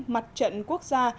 mặt trận quốc gia